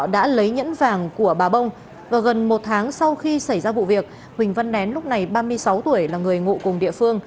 đã lấy nhẫn vàng của bà bông và gần một tháng sau khi xảy ra vụ việc huỳnh văn nén lúc này ba mươi sáu tuổi là người ngụ cùng địa phương